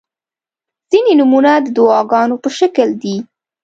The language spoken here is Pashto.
• ځینې نومونه د دعاګانو په شکل دي.